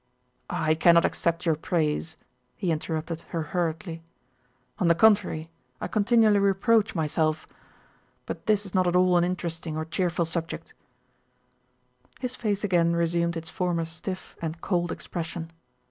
"I cannot accept your praise," he interrupted her hurriedly. "On the contrary I continually reproach myself.... But this is not at all an interesting or cheerful subject." His face again resumed its former stiff and cold expression.